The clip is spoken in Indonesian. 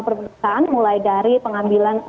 pemeriksaan mulai dari pengambilan